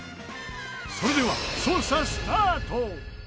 それでは捜査スタート